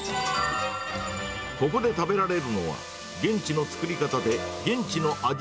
ここで食べられるのは、現地の作り方で、現地の味